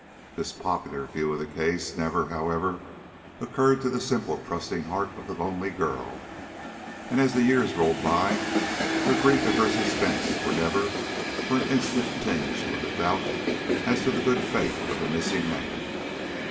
This popular view of the case never, however, occurred to the simple trusting heart of the lonely girl, and as the years rolled by her grief and her suspense were never for an instant tinged with a doubt as to the good faith of the missing man.